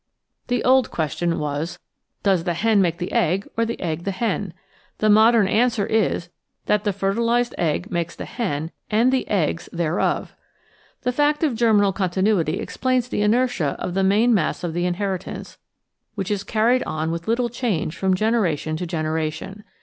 The old question was: Does the hen make the egg, or the egg the hen? The modem answer is that the fertilised egg makes the hen and the eggs thereof. The fact of germinal continuity explains the inertia of the main mass of the inheritance, which is carried on with little change from generation to generation.